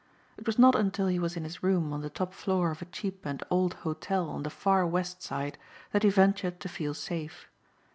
It was not until he was in his room on the top floor of a cheap and old hotel on the far West Side that he ventured to feel safe.